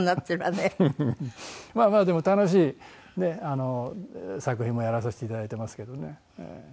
まあまあでも楽しい作品もやらさせていただいてますけどね。